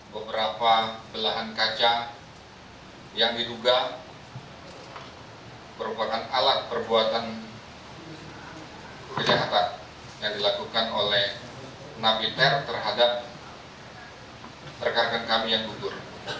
beberapa belahan kaca yang diduga merupakan alat perbuatan kejahatan yang dilakukan oleh napiter terhadap rekan rekan kami yang gugur